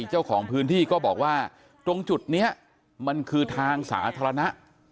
เจ้าของพื้นที่ก็บอกว่าตรงจุดนี้มันคือทางสาธารณะ